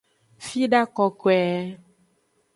Fida kokoe.